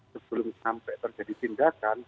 sebelum sampai terjadi tindakan